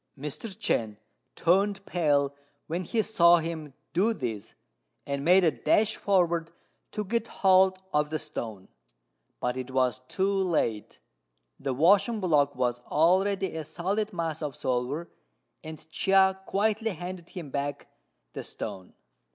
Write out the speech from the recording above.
Mr. Chên turned pale when he saw him do this, and made a dash forward to get hold of the stone; but it was too late, the washing block was already a solid mass of silver, and Chia quietly handed him back the stone.